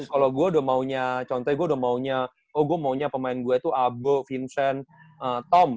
kalau gue udah maunya contohnya gue udah maunya pemain gue tuh abo vincent tom